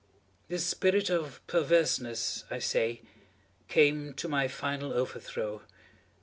This spirit of perverseness, I say, came to my final overthrow.